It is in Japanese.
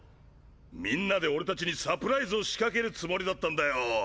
みんなで俺たちにサプライズを仕掛けるつもりだったんだよ！